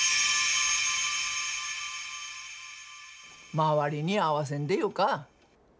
周りに合わせんでよか。